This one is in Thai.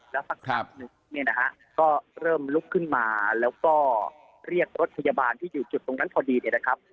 แล้วสักพักหนึ่งเนี่ยนะฮะก็เริ่มลุกขึ้นมาแล้วก็เรียกรถพยาบาลที่อยู่จุดตรงนั้นพอดีเนี่ยนะครับ